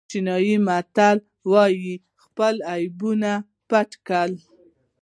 چینایي متل وایي خپل عیبونه پټ کړئ.